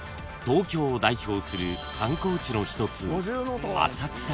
東京を代表する観光地の一つ］